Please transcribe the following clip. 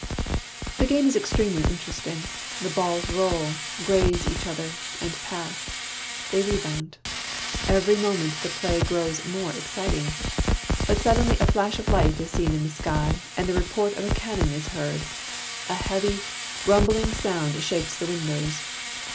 The game is extremely interesting. The balls roll, graze each other, and pass; they rebound. Every moment the play grows more exciting. But suddenly a flash of light is seen in the sky and the report of a cannon is heard. A heavy, rum bling sound shakes the windows.